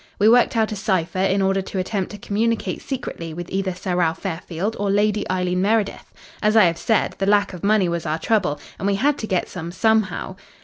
We worked out a cipher in order to attempt to communicate secretly with either Sir Ralph Fairfield or Lady Eileen Meredith. As I have said, the lack of money was our trouble, and we had to get some somehow.